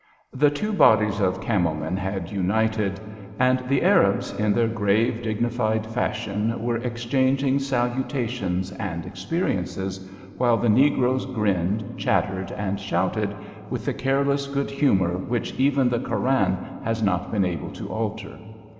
The two bodies of camel men had united, and the Arabs, in their grave, dignified fashion, were exchanging salutations and experiences, while the negroes grinned, chattered, and shouted, with the careless good humour which even the Koran has not been able to alter.